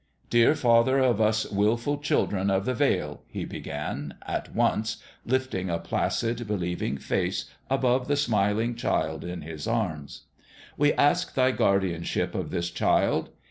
Dear Father of us wilful Children of the Vale" he began, at once, lifting a placid, be lieving face above the smiling child in his arms, " we ask Thy guardianship of this child.